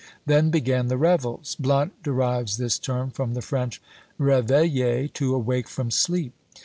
Then began the revels. Blount derives this term from the French reveiller, to awake from sleep.